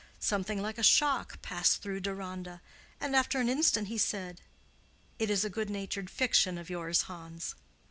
Something like a shock passed through Deronda, and, after an instant, he said, "It is a good natured fiction of yours, Hans."